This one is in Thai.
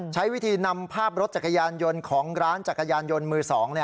ใช้วิธีนำภาพรถจักรยานยนต์ของร้านจักรยานยนต์มือ๒